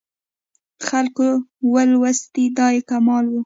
خلکو ولوستلې دا یې کمال و.